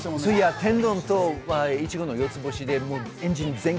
天丼と、いちごの「よつぼし」でエンジン全開！